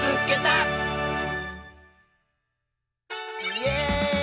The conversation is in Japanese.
イエーイ！